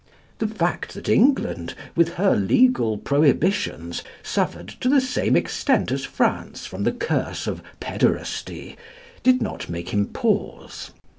The fact that England, with her legal prohibitions, suffered to the same extent as France from the curse of "pæderasty," did not make him pause.